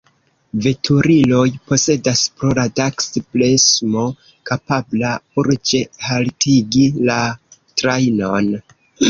Veturiloj posedas po radaks-bremso, kapabla urĝe haltigi la trajnon.